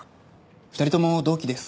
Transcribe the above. ２人とも同期です。